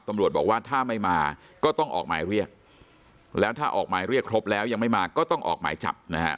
ตำรวจบอกว่าถ้าไม่มาก็ต้องออกหมายเรียกแล้วถ้าออกหมายเรียกครบแล้วยังไม่มาก็ต้องออกหมายจับนะฮะ